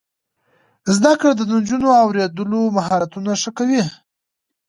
زده کړه د نجونو د اوریدلو مهارتونه ښه کوي.